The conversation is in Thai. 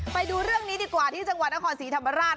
ไปดูเรื่องนี้ดีกว่าที่จังหวัดนครศรีธรรมราช